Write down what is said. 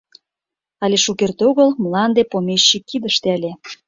Але шукерте огыл мланде помещик кидыште ыле.